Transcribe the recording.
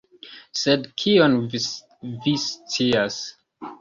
Sed kion vi scias?